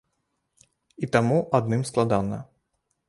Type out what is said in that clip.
І таму адным складана.